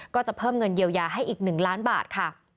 ก็จะเพิ่มเงินเยียวยาให้อีก๑ล้านบาทค่ะ